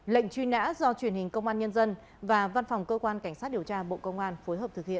lệnh truy nã do truyền hình công an nhân dân và văn phòng cơ quan cảnh sát điều tra bộ công an phối hợp thực hiện